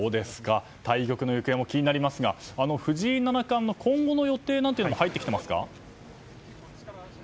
対局の行方も気になりますが藤井七冠の今後の予定なんていうのも入ってきていますか？